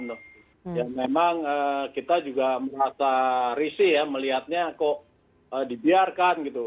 ya memang kita juga merasa risih ya melihatnya kok dibiarkan gitu